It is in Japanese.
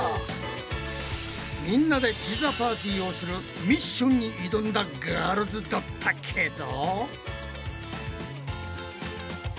みんなでピザパーティーをするミッションに挑んだガールズだったけど。